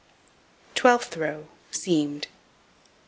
Twelfth row: Seamed.